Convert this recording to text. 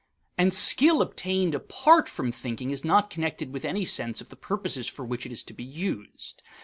And skill obtained apart from thinking is not connected with any sense of the purposes for which it is to be used.